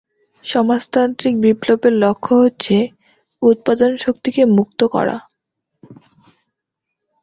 সমাজতান্ত্রিক বিপ্লবের লক্ষ্য হচ্ছে উৎপাদন শক্তিকে মুক্ত করা।